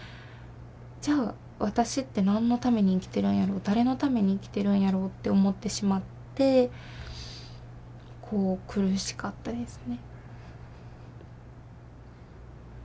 じゃあ私って何のために生きてるんやろう誰のために生きてるんやろうって思ってしまって苦しかったですね。